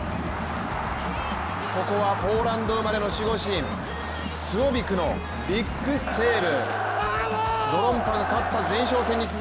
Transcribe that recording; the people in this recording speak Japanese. ここはポーランド生まれの守護神、スウォビィクのビッグセーブ。